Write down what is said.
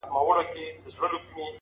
خوشحال په دې دى چي دا ستا خاوند دی’